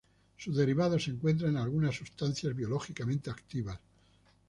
Sus derivados se encuentran en algunas sustancias biológicamente activas.